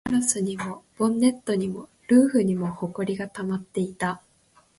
フロントガラスにも、ボンネットにも、ルーフにも埃が溜まっていた